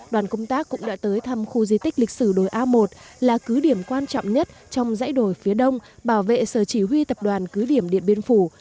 đoàn công tác cũng đã tới thăm khu di tích lịch sử đồi a một là cứ điểm quan trọng nhất trong dãy đồi phía đông bảo vệ sở chỉ huy tập đoàn cứ điểm điện biên phủ